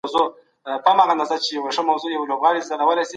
کانونه په قانوني توګه استخراج کیدل.